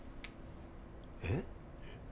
えっ？